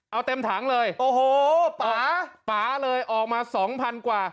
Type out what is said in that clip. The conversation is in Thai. เอาเต็มถังเลยโอ้โหป่าป่าเลยออกมาสองพันกว่า